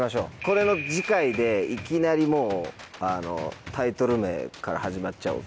これの次回でいきなりもうタイトル名から始まっちゃおう。